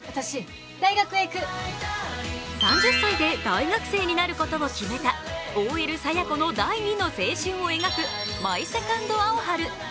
３０歳で大学生になることを決めたＯＬ・佐弥子の第２の青春を描く「マイ・セカンド・アオハル」。